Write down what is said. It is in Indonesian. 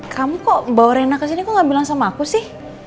kamu kok bawa rena kesini kok gak bilang sama aku sih